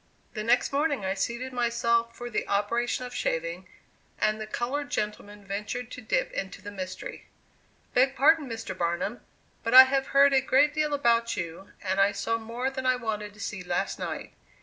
The next morning I seated myself for the operation of shaving, and the colored gentleman ventured to dip into the mystery. "Beg pardon, Mr. Barnum, but I have heard a great deal about you, and I saw more than I wanted to see last night.